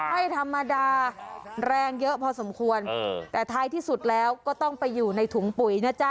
ไม่ธรรมดาแรงเยอะพอสมควรแต่ท้ายที่สุดแล้วก็ต้องไปอยู่ในถุงปุ๋ยนะจ๊